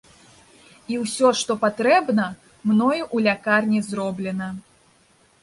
І ўсё, што патрэбна, мною ў лякарні зроблена.